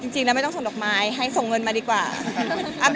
จริงแล้วไม่ต้องส่งดอกไม้ให้ส่งเงินมาดีกว่า